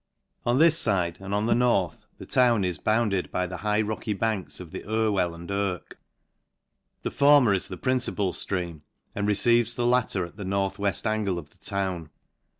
On this fide, and on the north, the town is bounded by the high rocky banks of the Irwell and Irke. The former is the principal itream, and receives the latter at the north weft an gle of the town.